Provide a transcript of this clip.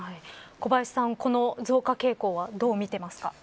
小林さん、この増加傾向はどうみていますか。